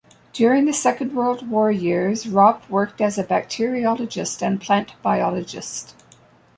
During the Second World War years, Ropp worked as a bacteriologist and plant biologist.